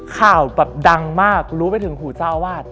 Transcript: ข่าวดังมากรู้ไปถึงหูเจ้าวาด